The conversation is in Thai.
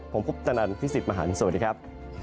ผมพุทธนันทร์พิสิทธิ์มหาลสวัสดีครับ